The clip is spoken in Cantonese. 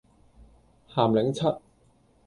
鹹檸七